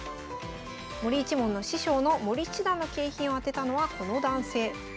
森一門の師匠の森七段の景品を当てたのはこの男性。